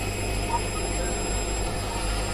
লম্বা কাহিনী, বলবোনে।